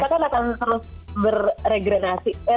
kita kan akan terus berregrenasi